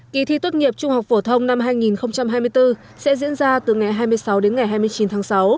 kỳ thi tốt nghiệp trung học phổ thông năm hai nghìn hai mươi bốn sẽ diễn ra từ ngày hai mươi sáu đến ngày hai mươi chín tháng sáu